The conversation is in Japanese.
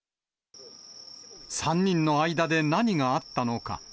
３人の間で何があったのか。